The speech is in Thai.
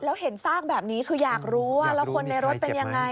แล้วเห็นซากแบบนี้คืออยากรู้ว่าแล้วคนในรถเป็นยังไง